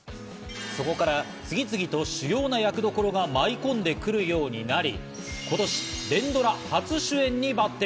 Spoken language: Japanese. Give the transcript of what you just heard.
そこから次々と主要な役どころが舞い込んでくるようになり、今年、連ドラ初主演に抜擢。